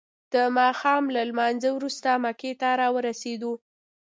د ماښام له لمانځه وروسته مکې ته راورسیدو.